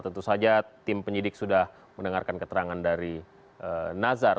tentu saja tim penyidik sudah mendengarkan keterangan dari nazar